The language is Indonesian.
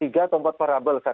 tiga atau empat para penyelenggara